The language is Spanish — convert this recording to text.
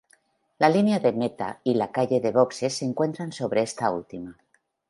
La línea de meta y la calle de boxes se encuentran sobre esta última.